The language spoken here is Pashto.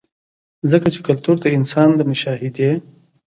ځکه چې کلتور د انسان د مشاهدې